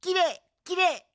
きれい！